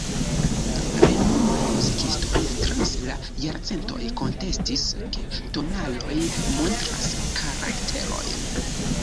Renomaj muzikistoj trans la jarcentoj kontestis, ke tonaloj montras karakterojn.